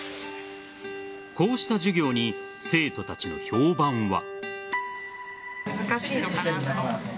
こうした授業に生徒たちの評判は。